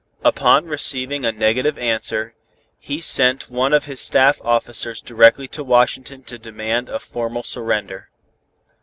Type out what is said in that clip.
Upon receiving a negative answer, he sent one of his staff officers directly to Washington to demand a formal surrender.